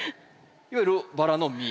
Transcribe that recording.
いわゆるバラの実。